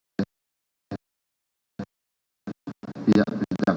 pihak penyidik kesejahteraan